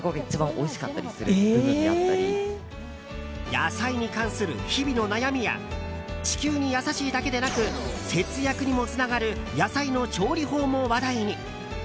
野菜に関する日々の悩みや地球に優しいだけでなく節約にもつながる野菜の調理法も話題に。